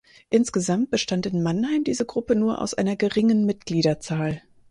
Insgesamt bestand in Mannheim diese Gruppe nur aus einer geringen Mitgliederzahl.